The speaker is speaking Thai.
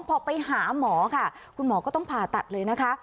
พอไปหาหมอค่ะคุณหมอก็ต้องผ่าตัดเลยนะคะ